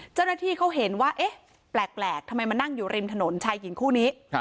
เจ้าหน้าที่เขาเห็นว่าเอ๊ะแปลกทำไมมานั่งอยู่ริมถนนชายหญิงคู่นี้